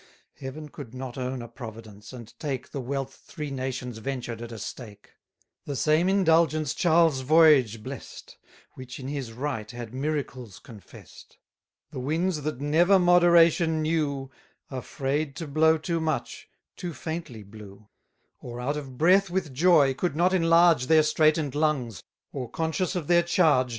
Heaven could not own a Providence, and take The wealth three nations ventured at a stake. The same indulgence Charles' voyage bless'd, 240 Which in his right had miracles confess'd. The winds that never moderation knew, Afraid to blow too much, too faintly blew; Or, out of breath with joy, could not enlarge Their straighten'd lungs, or conscious of their charge.